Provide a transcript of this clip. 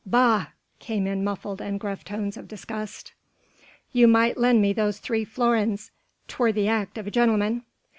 "Bah!" came in muffled and gruff tones of disgust, "you might lend me those three florins 'twere the act of a gentleman...."